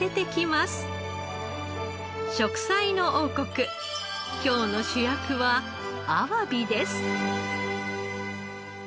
『食彩の王国』今日の主役はあわびです。